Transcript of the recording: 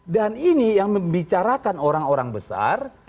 dan ini yang membicarakan orang orang besar